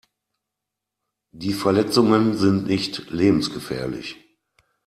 Die Verletzungen sind nicht lebensgefährlich.